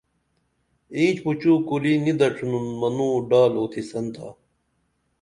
اینچ پُچُو کُری نی دڇِھنُن منوں ڈال اُوتِھسن تھا